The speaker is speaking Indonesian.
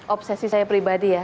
obsesi saya pribadi